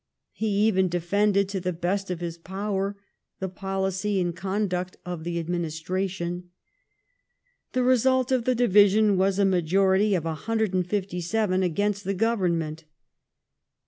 He even defended to the best of his power the policy and conduct of the administration. The result of the division was a majority of 157 against the Government.